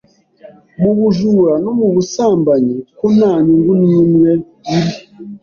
mu bujura no mu busambanyi ko nta nyungu n’imwe iri